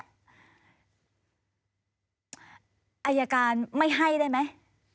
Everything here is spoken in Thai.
อายการไม่ให้ได้ไหม